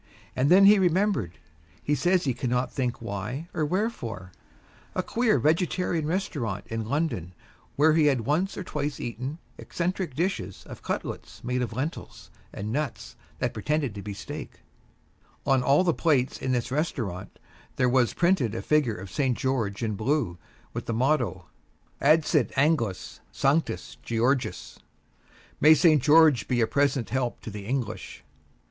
And then he remembered he says he cannot think why or wherefore a queer vegetarian restaurant in London where he had once or twice eaten eccentric dishes of cutlets made of lentils and nuts that pretended to be steak. On all the plates in this restaurant there was printed a figure of St. George in blue, with the motto, "Adsit Anglis Sanctus Georgius" "May St. George be a present help to the English."